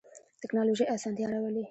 تکنالوژی اسانتیا راولی